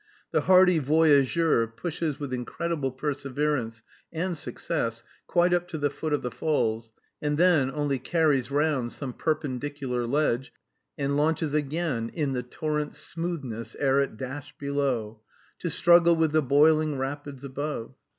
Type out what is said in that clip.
The hardy "voyageur" pushes with incredible perseverance and success quite up to the foot of the falls, and then only carries round some perpendicular ledge, and launches again in "The torrent's smoothness, ere it dash below," to struggle with the boiling rapids above.